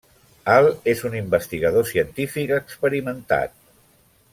Hal, és un investigador científic experimentat.